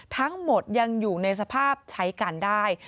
ทั้งหมดยังอยู่ในสภาพใช้กันได้